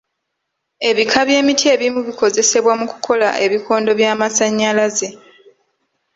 Ebika by'emiti ebimu bikozesebwa mu kukola ebikondo by'amasannyalaze.